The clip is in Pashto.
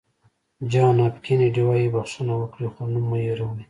جان اېف کینېډي وایي بښنه وکړئ خو نوم مه هېروئ.